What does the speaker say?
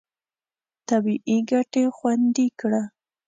طبیعي ګټې خوندي کړه.